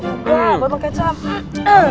gak potong kecap